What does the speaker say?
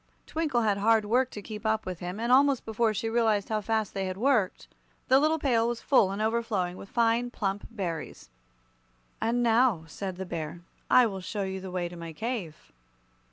Twinkle had hard work to keep up with him, and almost before she realized how fast they had worked, the little pail was full and overflowing with fine, plump berries. "And now," said the Bear, "I will show you the way to my cave."